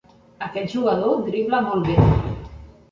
Aquest jugador dribla molt bé.